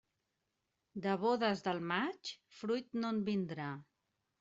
De bodes del maig fruit no en vindrà.